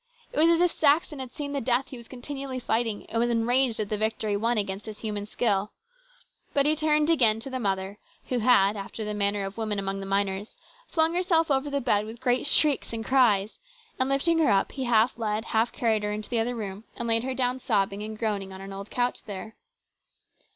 It was as if Saxon had seen the death he was continually fighting, and was enraged at the victory won against his human skill. But he turned again to the mother, who had, after the manner of women among the miners, flung herself over the bed with great shrieks and cries, and lifting her up he half led, half carried her into the other room and laid her down sobbing and groaning on an old couch there.